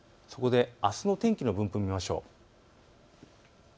あすの天気の分布を見ましょう。